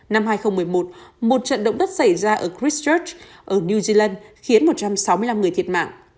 năm hai nghìn một mươi một một trận động đất xảy ra ở christchurch ở new zealand khiến một trăm sáu mươi năm người thiệt mạng